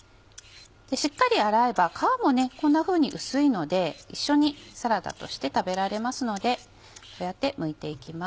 しっかり洗えば皮もこんなふうに薄いので一緒にサラダとして食べられますのでこうやってむいていきます。